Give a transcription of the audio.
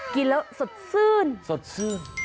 กินแล้วสดสื่น